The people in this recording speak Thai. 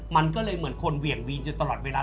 มันก็เลยเหมือนคนเหวี่ยงวีนอยู่ตลอดเวลา